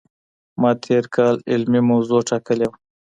ما تېر کال علمي موضوع ټاکلې وه.